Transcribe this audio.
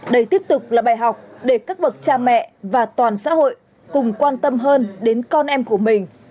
đây tiếp tục là bài học để các bậc cha mẹ và toàn xã hội cùng quan tâm hơn đến con em của mình